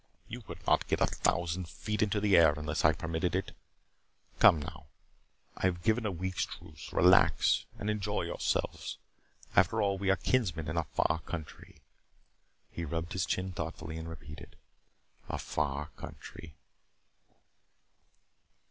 "You could not get a thousand feet into the air unless I permitted it. Come, now, I have given a week's truce. Relax and enjoy yourselves. After all, we are kinsmen in a far country." He rubbed his chin thoughtfully and repeated. "A far country."